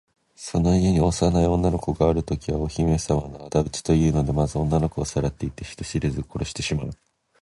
その家に幼い女の子があるときは、お姫さまのあだ討ちだというので、まず女の子をさらっていって、人知れず殺してしまう。